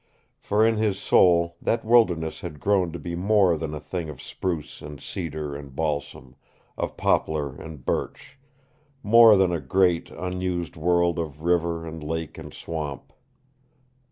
For in his soul that wilderness had grown to be more than a thing of spruce and cedar and balsam, of poplar and birch; more than a great, unused world of river and lake and swamp.